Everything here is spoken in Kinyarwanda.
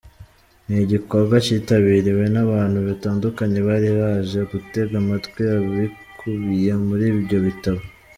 Ni igikorwa kitabiriwe n’abantu batandukanye bari baje gutega amatwi ibikubiye muri ibyo bitabo.